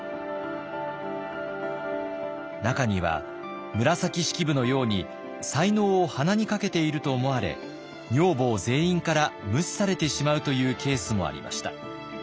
中には紫式部のように才能を鼻にかけていると思われ女房全員から無視されてしまうというケースもありました。